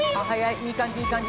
いい感じいい感じ。